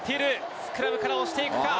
スクラムから押していくか？